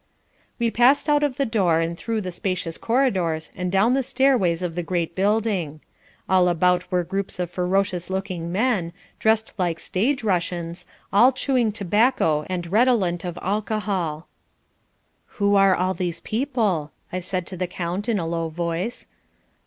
We passed out of the door and through the spacious corridors and down the stairways of the great building. All about were little groups of ferocious looking men, dressed like stage Russians, all chewing tobacco and redolent of alcohol. "Who are all these people?" I said to the count in a low voice.